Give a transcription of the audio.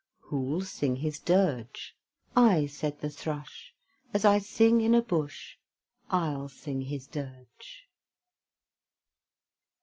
Who'll sing his dirge? "I," said the Thrush, "As I sing in a bush, I'll sing his dirge."